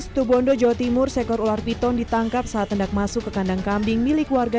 situ bondo jawa timur sekor ular piton ditangkap saat hendak masuk ke kandang kambing milik warga